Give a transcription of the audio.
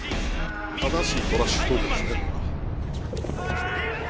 「正しいトラッシュトークですね」